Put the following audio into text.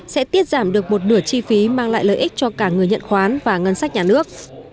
sẽ tiết giảm được một nửa chi phí mang lại lợi ích cho cả người nhận khoán và ngân sách nhà nước